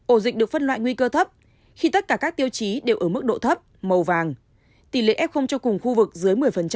ổ dịch được phân loại nguy cơ thấp khi tất cả các tiêu chí đều ở mức độ thấp màu vàng tỷ lệ f cho cùng khu vực dưới một mươi